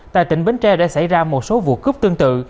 tại tỉnh bến tre đã xảy ra một số vụ cướp tương tự